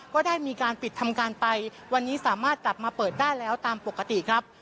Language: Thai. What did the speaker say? ก็ได้มีการปิดทำการไปวันนี้สามารถกลับมาเปิดได้แล้วตามปกติครับ